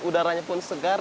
udaranya pun segar